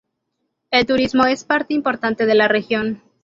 El turismo es parte importante de la región.